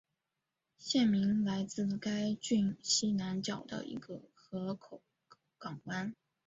县名来自该郡西南角的一个河口港湾。